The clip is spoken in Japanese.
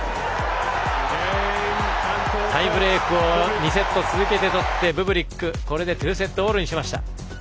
タイブレークを２セット続けて取ってブブリックこれで２セットオールにしました。